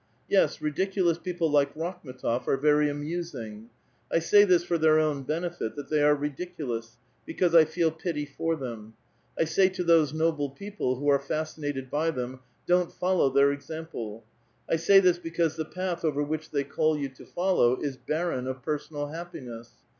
Yes, ridiculous people like Rakhm^tof are very amusing. I say this for their own benefit, that they are ridiculous, because I feel pity for them. 1 say to those noble people who are fascinated by them, Don't follow their example. 1 say this because the path over which they call you to follow is barren of personal happiness.